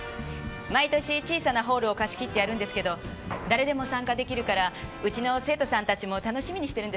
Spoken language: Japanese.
毎年小さなホールを貸し切ってやるんですけど誰でも参加できるからうちの生徒さんたちも楽しみにしてるんです。